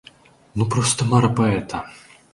Ну, проста мара паэта!